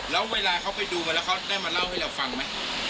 แล้วเวลาเขาไปดูมาแล้วเขาได้มาเล่าให้เราฟังไหม